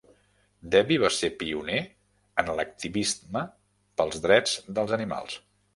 Devi va ser pioner en l'activisme pels drets dels animals.